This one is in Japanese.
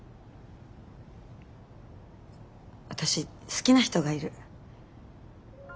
私好きな人がいる。